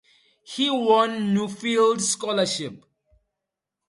He won a Nuffield Scholarship.